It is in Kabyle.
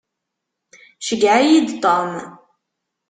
Ceyyeɛ-iyi-d Tom.